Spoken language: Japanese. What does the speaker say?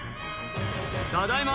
「ただいま」